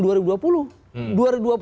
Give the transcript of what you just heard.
dua ribu dua puluh juga adalah kemarin ya